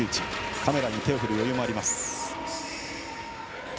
カメラに手を振る余裕もありました。